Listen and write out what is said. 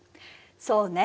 そうね。